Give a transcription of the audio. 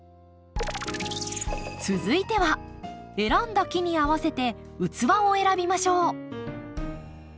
続いては選んだ木に合わせて器を選びましょう。